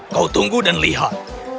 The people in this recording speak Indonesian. kau tunggu dan lihat